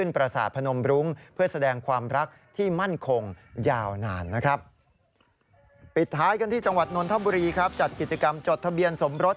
ปิดท้ายกันที่จังหวัดนนทบุรีครับจัดกิจกรรมจดทะเบียนสมรส